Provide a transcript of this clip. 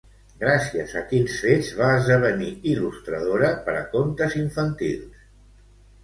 Gràcies a quins fets va esdevenir il·lustradora per a contes infantils?